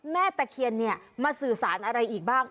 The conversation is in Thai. แม่ตะเคียนมาสื่อสารอะไรอีกบ้าง